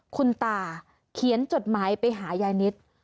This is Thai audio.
คุณตาเขียนจดหมายไปหายายนิด